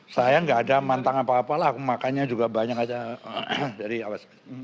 saya nggak ada pantang apa apalah aku makannya juga banyak aja